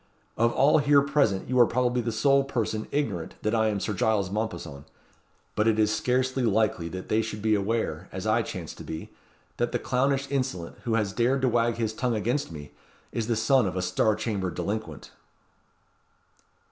Of all here present you are probably the sole person ignorant that I am Sir Giles Mompesson. But it is scarcely likely that they should be aware, as I chance to be, that the clownish insolent who has dared to wag his tongue against me, is the son of a Star Chamber delinquent."